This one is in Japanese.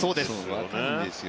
若いんですよ。